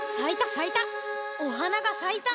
さいたさいた。